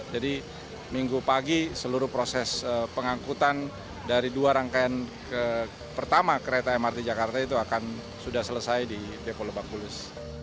jadi minggu pagi seluruh proses pengangkutan dari dua rangkaian pertama kereta mrt jakarta itu akan sudah selesai di depo lebak bulus